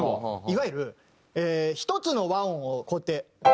いわゆる１つの和音をこうやって。